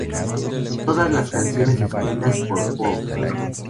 Todas las canciones escritas por Pulp